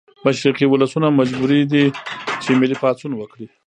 مشرقي ولسونه مجبوري دي چې ملي پاڅون وکړي.